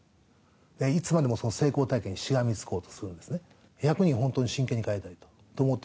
いつまでもその成功体験にしがみつこうとするんですね。